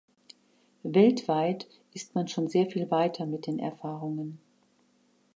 Weltweit ist man schon sehr viel weiter mit den Erfahrungen.